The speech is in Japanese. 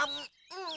うん？